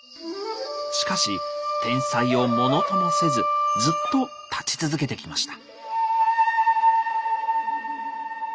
しかし天災をものともせずずっと立ち続けてきました。